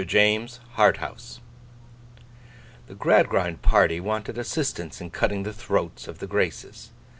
JAMES HARTHOUSE THE Gradgrind party wanted assistance in cutting the throats of the Graces.